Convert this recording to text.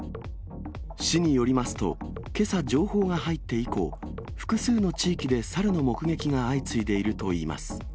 市によりますと、けさ、情報が入って以降、複数の地域で猿の目撃が相次いでいるといいます。